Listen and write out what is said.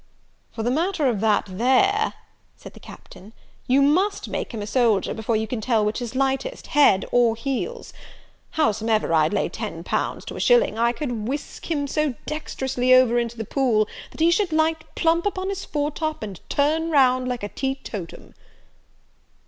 "For the matter of that there," said the Captain, "you must make him a soldier, before you can tell which is lightest, head or heels. Howsomever, I'd lay ten pounds to a shilling, I could whisk him so dexterously over into the pool, that he should light plump upon his foretop and turn round like a tetotum."